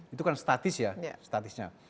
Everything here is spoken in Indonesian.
itu kan statis ya statisnya